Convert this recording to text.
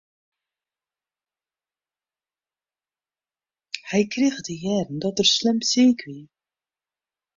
Hy krige te hearren dat er slim siik wie.